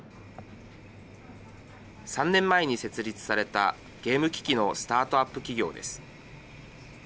３年前に設立されたゲーム機器のスタートアップ企業です。